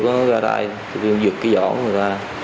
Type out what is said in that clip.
tụi tôi có gà đai tụi tôi cũng giật cái giỏ của người ta